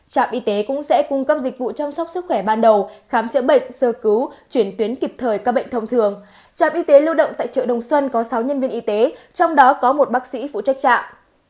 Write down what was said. trạm y tế cũng sẽ cung cấp dịch vụ chăm sóc sức khỏe ban đầu khám chữa bệnh sơ cứu chuyển tuyến kịp thời các bệnh thông thường trạm y tế lưu động tại chợ đồng xuân có sáu nhân viên y tế trong đó có một bác sĩ phụ trách trạm